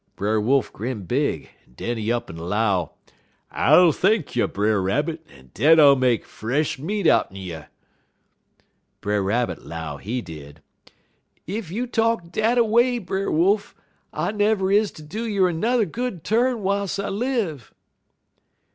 "Brer Wolf grin big, en den he up'n 'low: "'I'll thank you, Brer Rabbit, en den I'll make fresh meat out'n you.' "Brer Rabbit 'low, he did: "'Ef you talk dat a way, Brer Wolf, I never is to do yer 'n'er good turn w'iles I live.'